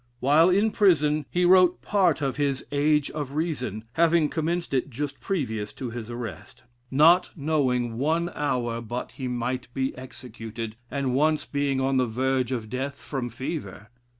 While in prison he wrote part of his "Age of Reason," (having commenced it just previous to his arrest) not Knowing one hour but he might be executed, and once being on the verge of death from fever.